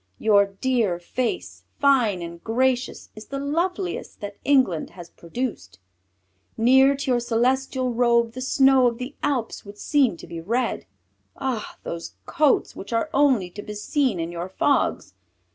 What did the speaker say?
Your dear face, fine and gracious, is the loveliest that England has produced. Near to your celestial robe the snow of the Alps would seem to be red. Ah! those coats which are only to be seen in your fogs!